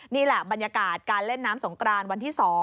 นี่แหละบรรยากาศการเล่นน้ำสงกรานวันที่๒